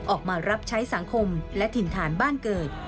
ออกมารับใช้สังคมและถิ่นฐานบ้านเกิด